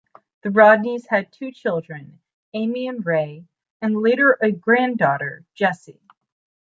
The Rodneys had two children, Amy and Ray, and later a granddaughter, Jessie.